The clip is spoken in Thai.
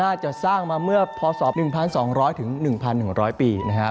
น่าจะสร้างมาเมื่อพศ๑๒๐๐๑๑๐๐ปีนะครับ